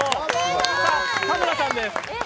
さあ、田村さんです。